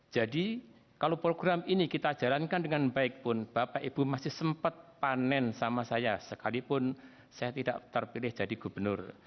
jadi kalau program ini kita jalankan dengan baik pun bapak ibu masih sempat panen sama saya sekalipun saya tidak terpilih jadi gubernur